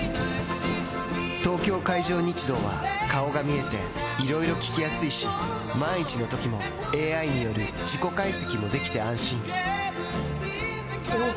東京海上日動は顔が見えていろいろ聞きやすいし万一のときもＡＩによる事故解析もできて安心おぉ！